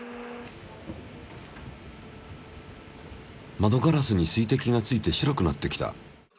窓ガラスに水滴がついて白くなってきた。